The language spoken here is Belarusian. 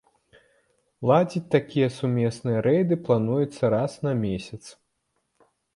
Ладзіць такія сумесныя рэйды плануецца раз на месяц.